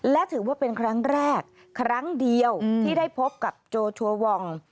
และถือว่าเป็นครั้งแรกครั้งเดียวที่ได้พบกับโจชัวร์วอง